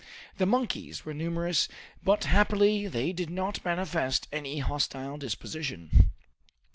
The monkeys were numerous, but happily they did not manifest any hostile disposition.